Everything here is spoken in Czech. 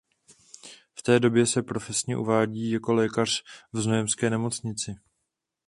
V té době se profesně uvádí jako lékař v znojemské nemocnici.